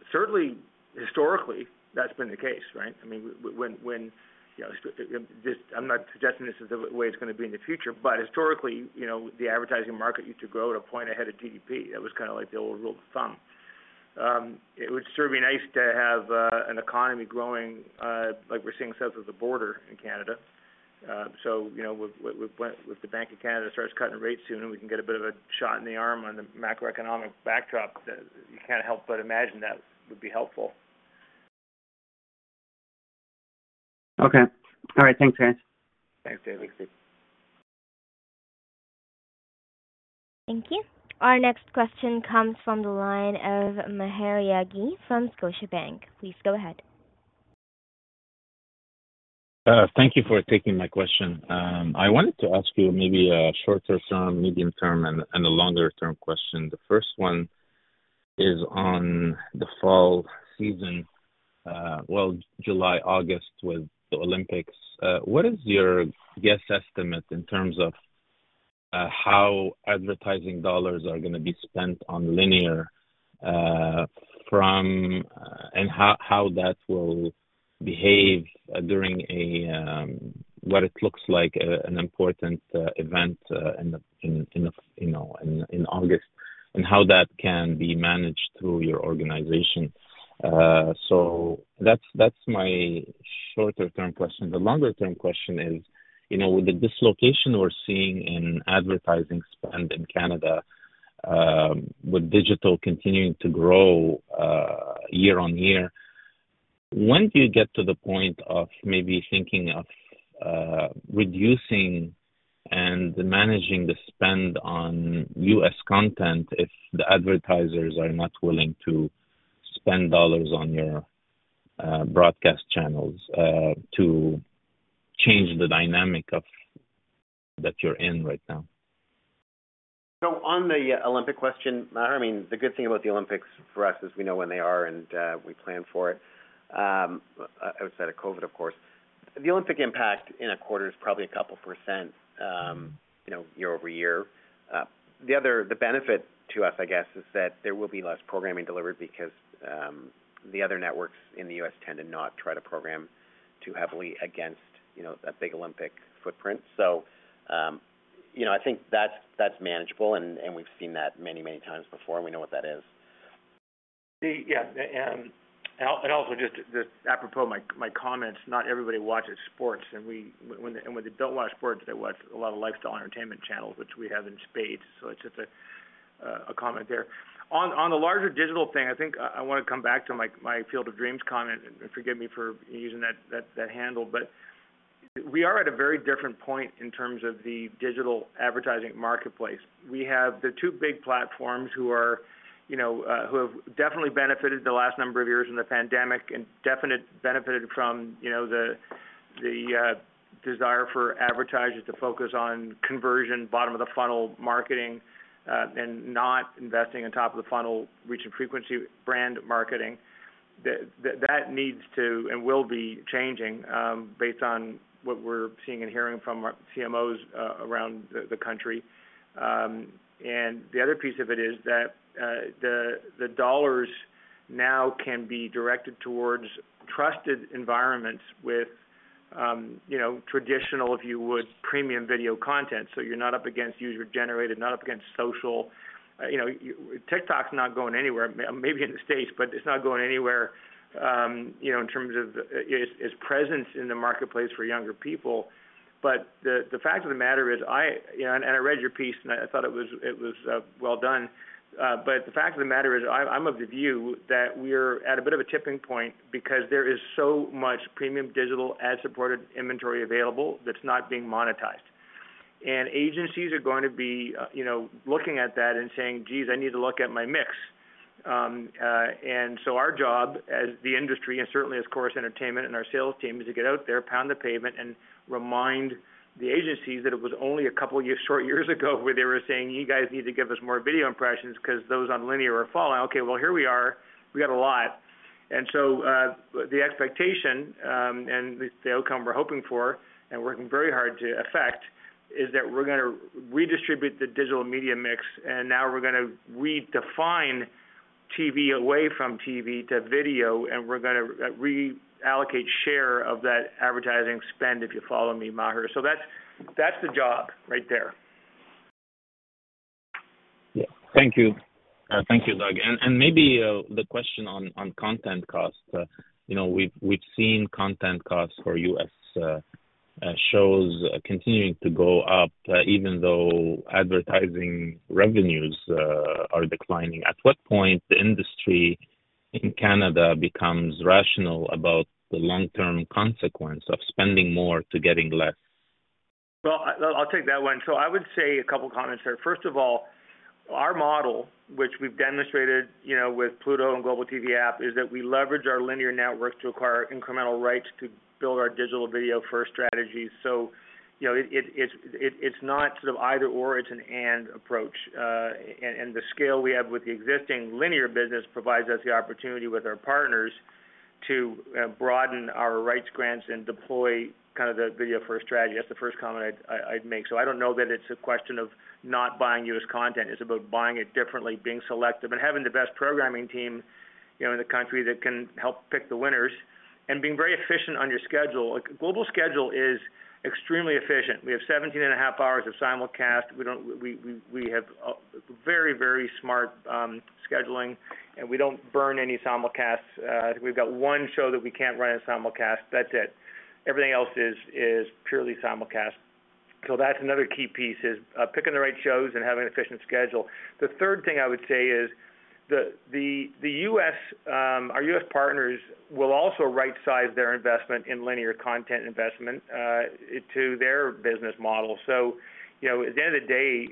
historically, that's been the case, right? I mean, when I'm not suggesting this is the way it's going to be in the future, but historically, the advertising market used to grow at a point ahead of GDP. That was kind of like the old rule of thumb. It would certainly be nice to have an economy growing like we're seeing south of the border in Canada. So if the Bank of Canada starts cutting rates soon and we can get a bit of a shot in the arm on the macroeconomic backdrop, you can't help but imagine that would be helpful. Okay. All right. Thanks, Vince. Thanks, David. Thank you. Our next question comes from the line of Maher Yaghi from Scotiabank. Please go ahead. Thank you for taking my question. I wanted to ask you maybe a shorter-term, medium-term, and a longer-term question. The first one is on the fall season, well, July, August with the Olympics. What is your guess estimate in terms of how advertising dollars are going to be spent on linear and how that will behave during what it looks like, an important event in August, and how that can be managed through your organization? So that's my shorter-term question. The longer-term question is, with the dislocation we're seeing in advertising spend in Canada, with digital continuing to grow year-over-year, when do you get to the point of maybe thinking of reducing and managing the spend on U.S. content if the advertisers are not willing to spend dollars on your broadcast channels to change the dynamic that you're in right now? So on the Olympic question, I mean, the good thing about the Olympics for us is we know when they are, and we plan for it outside of COVID, of course. The Olympic impact in a quarter is probably a couple % year-over-year. The benefit to us, I guess, is that there will be less programming delivered because the other networks in the U.S. tend to not try to program too heavily against that big Olympic footprint. So I think that's manageable, and we've seen that many, many times before, and we know what that is. Yeah. And also, just apropos my comments, not everybody watches sports. And when they don't watch sports, they watch a lot of lifestyle entertainment channels, which we have in Spain. So it's just a comment there. On the larger digital thing, I think I want to come back to my field of dreams comment, and forgive me for using that handle. But we are at a very different point in terms of the digital advertising marketplace. We have the two big platforms who have definitely benefited the last number of years in the pandemic and definitely benefited from the desire for advertisers to focus on conversion, bottom-of-the-funnel marketing, and not investing on top of the funnel, reach and frequency, brand marketing. That needs to and will be changing based on what we're seeing and hearing from CMOs around the country. The other piece of it is that the dollars now can be directed towards trusted environments with traditional, if you would, premium video content. You're not up against user-generated, not up against social. TikTok's not going anywhere, maybe in the States, but it's not going anywhere in terms of its presence in the marketplace for younger people. The fact of the matter is and I read your piece, and I thought it was well done. The fact of the matter is I'm of the view that we're at a bit of a tipping point because there is so much premium digital ad-supported inventory available that's not being monetized. Agencies are going to be looking at that and saying, "Geez, I need to look at my mix." So our job as the industry and certainly as Corus Entertainment and our sales team is to get out there, pound the pavement, and remind the agencies that it was only a couple short years ago where they were saying, "You guys need to give us more video impressions because those on linear are falling." Okay. Well, here we are. We got a lot. So the expectation and the outcome we're hoping for and working very hard to affect is that we're going to redistribute the digital media mix, and now we're going to redefine TV away from TV to video, and we're going to reallocate share of that advertising spend, if you follow me, Maher. So that's the job right there. Yeah. Thank you. Thank you, Doug. And maybe the question on content costs. We've seen content costs for U.S. shows continuing to go up even though advertising revenues are declining. At what point the industry in Canada becomes rational about the long-term consequence of spending more to getting less? Well, I'll take that one. So I would say a couple comments there. First of all, our model, which we've demonstrated with Pluto and Global TV App, is that we leverage our linear networks to acquire incremental rights to build our digital video first strategy. So it's not sort of either/or. It's an and approach. And the scale we have with the existing linear business provides us the opportunity with our partners to broaden our rights grants and deploy kind of the video first strategy. That's the first comment I'd make. So I don't know that it's a question of not buying U.S. content. It's about buying it differently, being selective, and having the best programming team in the country that can help pick the winners, and being very efficient on your schedule. Global schedule is extremely efficient. We have 17.5 hours of simulcast. We have very, very smart scheduling, and we don't burn any simulcasts. I think we've got one show that we can't run in simulcast. That's it. Everything else is purely simulcast. So that's another key piece, is picking the right shows and having an efficient schedule. The third thing I would say is our US partners will also right-size their investment in linear content investment to their business model. So at the end of the day,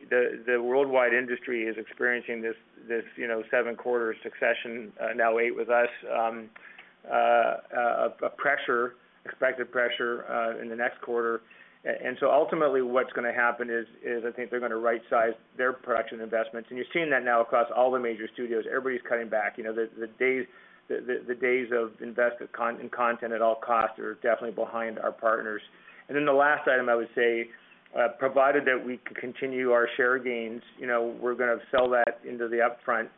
the worldwide industry is experiencing this seven-quarter succession, now eight with us, of pressure, expected pressure in the next quarter. And so ultimately, what's going to happen is I think they're going to right-size their production investments. And you're seeing that now across all the major studios. Everybody's cutting back. The days of investing in content at all costs are definitely behind our partners. And then the last item I would say, provided that we continue our share gains, we're going to sell that into the upfront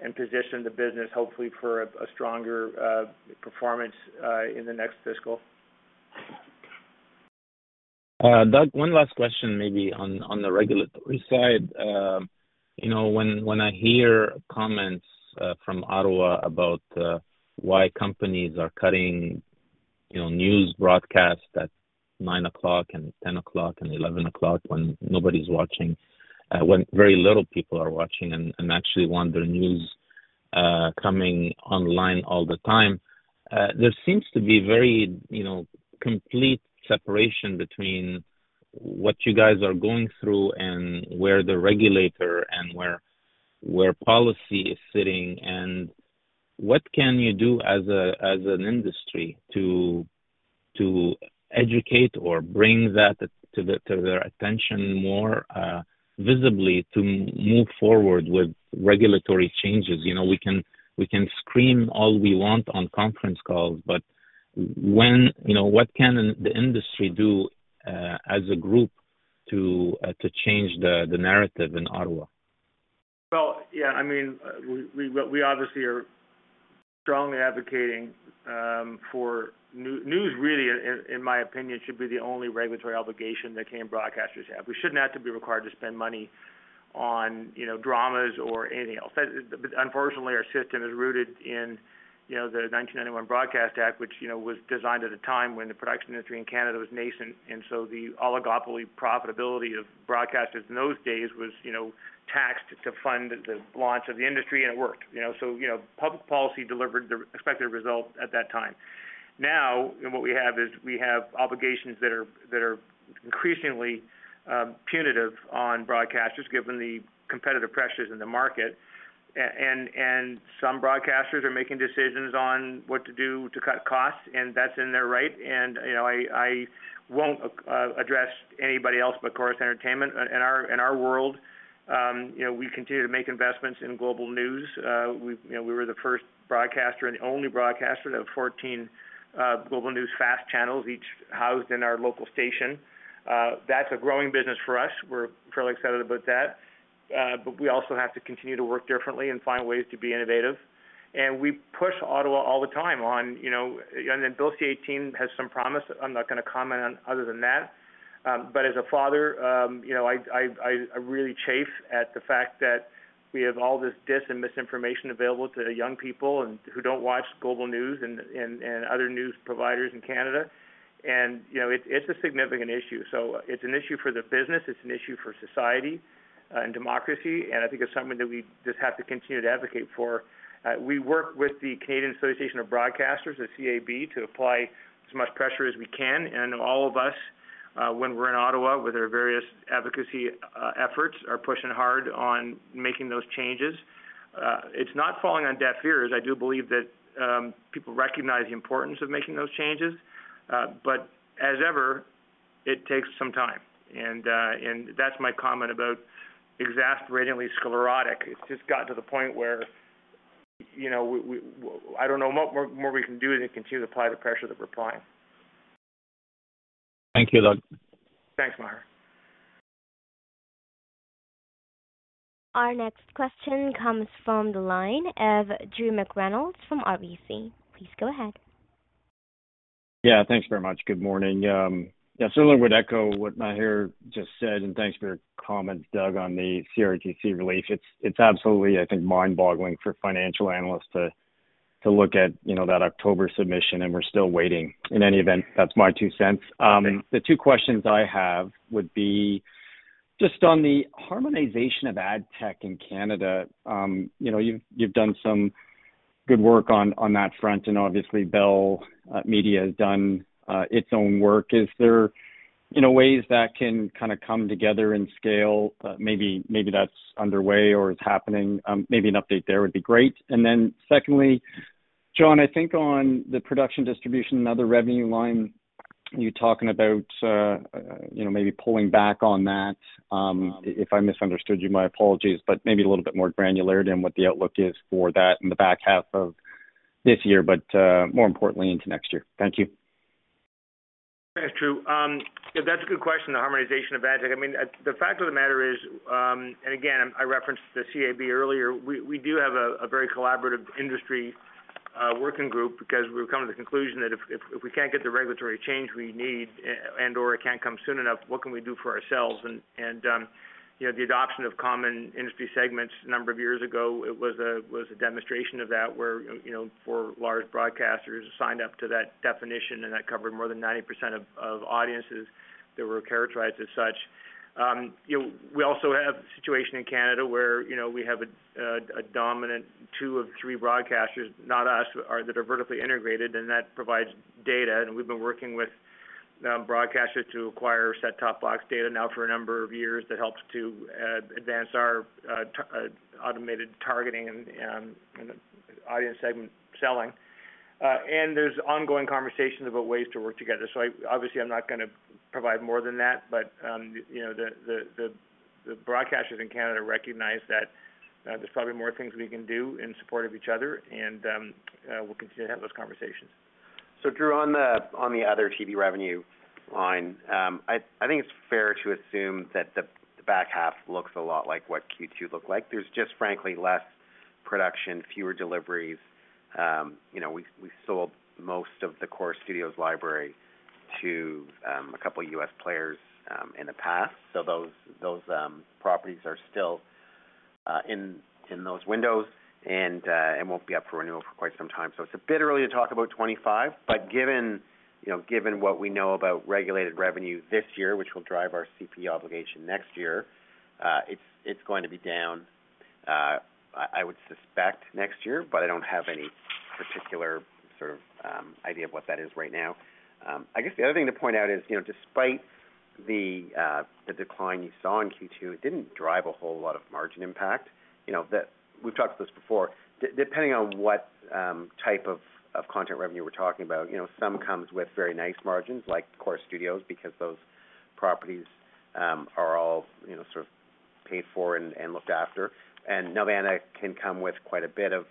and position the business, hopefully, for a stronger performance in the next fiscal. Doug, one last question maybe on the regulatory side. When I hear comments from Ottawa about why companies are cutting news broadcasts at 9:00 P.M. and 10:00 P.M. and 11:00 P.M. when nobody's watching, when very little people are watching, and actually want their news coming online all the time, there seems to be very complete separation between what you guys are going through and where the regulator and where policy is sitting. What can you do as an industry to educate or bring that to their attention more visibly to move forward with regulatory changes? We can scream all we want on conference calls, but what can the industry do as a group to change the narrative in Ottawa? Well, yeah. I mean, we obviously are strongly advocating for news. Really, in my opinion, should be the only regulatory obligation that Canadian broadcasters have. We should not be required to spend money on dramas or anything else. Unfortunately, our system is rooted in the 1991 Broadcast Act, which was designed at a time when the production industry in Canada was nascent. And so the oligopoly profitability of broadcasters in those days was taxed to fund the launch of the industry, and it worked. So public policy delivered the expected result at that time. Now, what we have is we have obligations that are increasingly punitive on broadcasters given the competitive pressures in the market. And some broadcasters are making decisions on what to do to cut costs, and that's in their right. And I won't address anybody else but Corus Entertainment. In our world, we continue to make investments in Global News. We were the first broadcaster and the only broadcaster to have 14 Global News FAST channels each housed in our local station. That's a growing business for us. We're fairly excited about that. But we also have to continue to work differently and find ways to be innovative. And we push Ottawa all the time on and then Bill C-18 has some promise. I'm not going to comment on other than that. But as a father, I really chafe at the fact that we have all this dis- and misinformation available to young people who don't watch Global News and other news providers in Canada. And it's a significant issue. So it's an issue for the business. It's an issue for society and democracy. And I think it's something that we just have to continue to advocate for. We work with the Canadian Association of Broadcasters, the CAB, to apply as much pressure as we can. And all of us, when we're in Ottawa with our various advocacy efforts, are pushing hard on making those changes. It's not falling on deaf ears. I do believe that people recognize the importance of making those changes. But as ever, it takes some time. And that's my comment about exasperatingly sclerotic. It's just gotten to the point where I don't know what more we can do than continue to apply the pressure that we're applying. Thank you, Doug. Thanks, Maher. Our next question comes from the line of Drew McReynolds from RBC. Please go ahead. Yeah. Thanks very much. Good morning. Yeah. Certainly, I would echo what Maher just said. And thanks for your comments, Doug, on the CRTC relief. It's absolutely, I think, mind-boggling for financial analysts to look at that October submission, and we're still waiting. In any event, that's my two cents. The two questions I have would be just on the harmonization of ad tech in Canada. You've done some good work on that front, and obviously, Bell Media has done its own work. Is there ways that can kind of come together and scale? Maybe that's underway or is happening. Maybe an update there would be great. And then secondly, John, I think on the production distribution, another revenue line, you're talking about maybe pulling back on that, if I misunderstood you. My apologies, but maybe a little bit more granularity on what the outlook is for that in the back half of this year, but more importantly, into next year. Thank you. That's true. Yeah. That's a good question, the harmonization of ad tech. I mean, the fact of the matter is and again, I referenced the CAB earlier. We do have a very collaborative industry working group because we've come to the conclusion that if we can't get the regulatory change we need and/or it can't come soon enough, what can we do for ourselves? And the adoption of common industry segments a number of years ago, it was a demonstration of that where four large broadcasters signed up to that definition, and that covered more than 90% of audiences that were characterized as such. We also have a situation in Canada where we have a dominant two of three broadcasters, not us, that are vertically integrated, and that provides data. And we've been working with broadcasters to acquire set-top-box data now for a number of years that helps to advance our automated targeting and audience segment selling. And there's ongoing conversations about ways to work together. So obviously, I'm not going to provide more than that. But the broadcasters in Canada recognize that there's probably more things we can do in support of each other, and we'll continue to have those conversations. So Drew, on the other TV revenue line, I think it's fair to assume that the back half looks a lot like what Q2 looked like. There's just, frankly, less production, fewer deliveries. We sold most of the Corus Studios library to a couple of U.S. players in the past. So those properties are still in those windows and won't be up for renewal for quite some time. So it's a bit early to talk about 2025. But given what we know about regulated revenue this year, which will drive our CPE obligation next year, it's going to be down, I would suspect, next year. But I don't have any particular sort of idea of what that is right now. I guess the other thing to point out is despite the decline you saw in Q2, it didn't drive a whole lot of margin impact. We've talked about this before. Depending on what type of content revenue we're talking about, some comes with very nice margins like Corus Studios because those properties are all sort of paid for and looked after. Nelvana can come with quite a bit of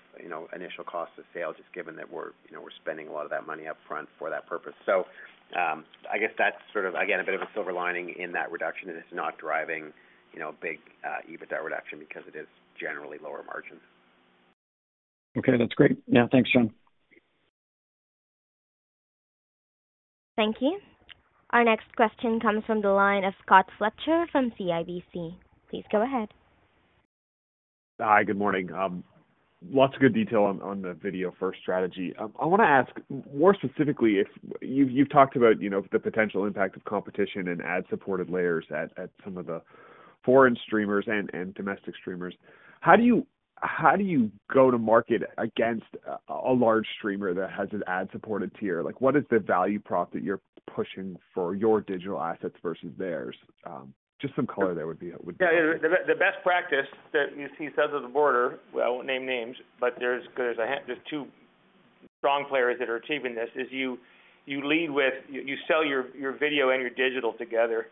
initial cost of sale just given that we're spending a lot of that money upfront for that purpose. I guess that's sort of, again, a bit of a silver lining in that reduction. It is not driving a big EBITDA reduction because it is generally lower margins. Okay. That's great. Yeah. Thanks, John. Thank you. Our next question comes from the line of Scott Fletcher from CIBC. Please go ahead. Hi. Good morning. Lots of good detail on the video first strategy. I want to ask more specifically if you've talked about the potential impact of competition and ad-supported layers at some of the foreign streamers and domestic streamers. How do you go to market against a large streamer that has an ad-supported tier? What is the value prop that you're pushing for your digital assets versus theirs? Just some color there would be good. Yeah. The best practice that you see south of the border - I won't name names, but there's two strong players that are achieving this - is you lead with you sell your video and your digital together.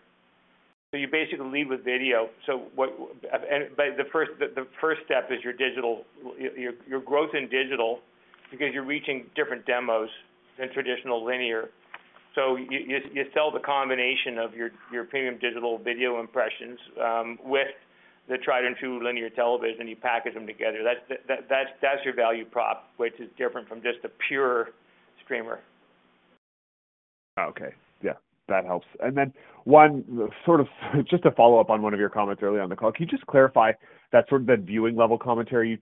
So you basically lead with video. But the first step is your growth in digital because you're reaching different demos than traditional linear. So you sell the combination of your premium digital video impressions with the tried-and-true linear television, and you package them together. That's your value prop, which is different from just a pure streamer. Okay. Yeah. That helps. And then sort of just to follow up on one of your comments earlier on the call, can you just clarify that sort of the viewing-level commentary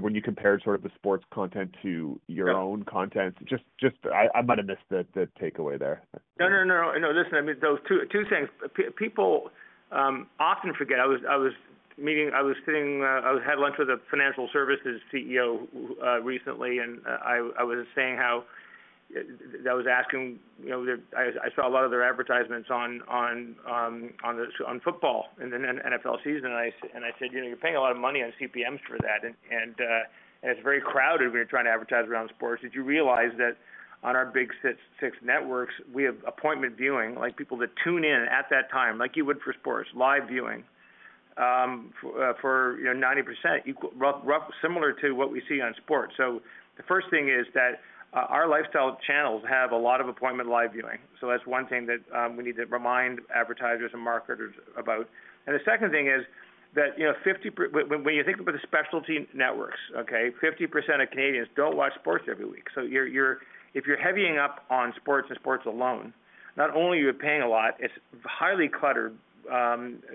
when you compared sort of the sports content to your own content? I might have missed the takeaway there. No, no, no, no. Listen, I mean, those two things, people often forget. I had lunch with a financial services CEO recently, and I was saying how I saw a lot of their advertisements on football in the NFL season, and I said, "You're paying a lot of money on CPMs for that, and it's very crowded when you're trying to advertise around sports. Did you realize that on our big six networks, we have appointment viewing, people that tune in at that time like you would for sports, live viewing for 90%, similar to what we see on sports?" So the first thing is that our lifestyle channels have a lot of appointment live viewing. So that's one thing that we need to remind advertisers and marketers about. And the second thing is that when you think about the specialty networks, okay, 50% of Canadians don't watch sports every week. So if you're heavying up on sports and sports alone, not only are you paying a lot, it's a highly cluttered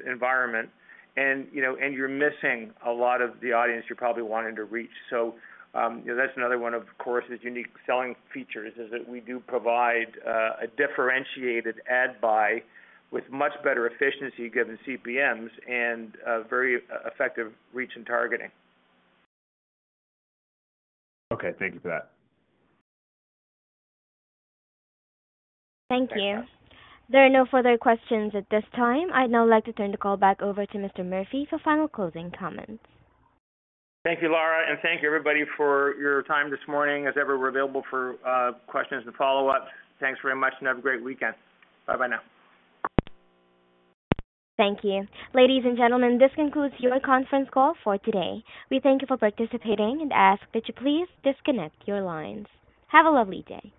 environment, and you're missing a lot of the audience you're probably wanting to reach. So that's another one of Corus's unique selling features, is that we do provide a differentiated ad buy with much better efficiency given CPMs and very effective reach and targeting. Okay. Thank you for that. Thank you. There are no further questions at this time. I'd now like to turn the call back over to Mr. Murphy for final closing comments. Thank you, Lara. And thank you, everybody, for your time this morning. As ever, we're available for questions and follow-ups. Thanks very much, and have a great weekend. Bye-bye now. Thank you. Ladies and gentlemen, this concludes your conference call for today. We thank you for participating and ask that you please disconnect your lines. Have a lovely day.